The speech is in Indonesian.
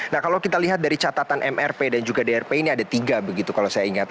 nah kalau kita lihat dari catatan mrp dan juga drp ini ada tiga begitu kalau saya ingat